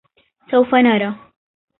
سوف نرى